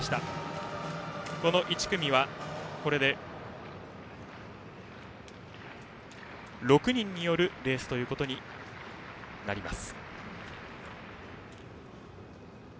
この１組は、これで６人によるレースとなります。